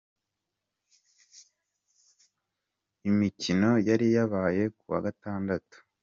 Imikino yari yabaye ku wa Gatandatu.